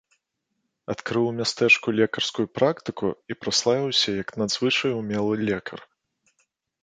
Адкрыў у мястэчку лекарскую практыку і праславіўся як надзвычай умелы лекар.